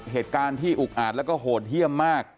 เหตุการณ์ที่อุกอาจแล้วก็โหดเยี่ยมมาก